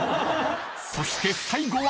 ［そして最後は］